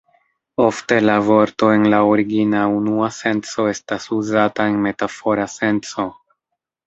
Ofte la vorto en la origina, unua senco estas uzata en metafora senco.